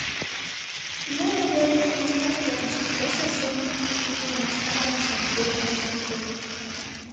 Моло вере нигуштат Янчи тысе семын уло мастарлыкшым пуэн ок шокто.